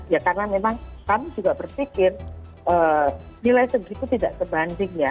ya karena memang kami juga berpikir nilai segitu tidak sebanding ya